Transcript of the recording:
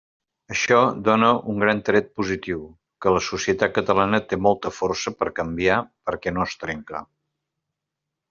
Això dóna un gran tret positiu: que la societat catalana té molta força per canviar, perquè no es trenca.